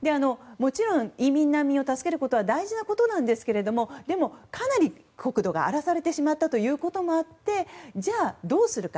もちろん、移民・難民を助けるのは大事なことなんですがでも、かなり国土が荒らされてしまったこともあってじゃあ、どうするか。